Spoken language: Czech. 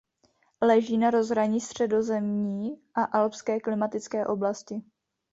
Leží na rozhraní středozemní a alpské klimatické oblasti.